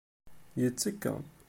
Yettekka.